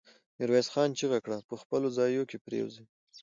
ميرويس خان چيغه کړه! په خپلو ځايونو کې پرېوځي.